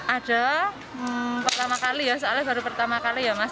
ada pertama kali ya soalnya baru pertama kali ya mas